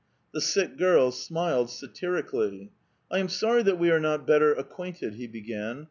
The sick girl smiled satirically. " I am sorry that we are not better acquainted, "he began.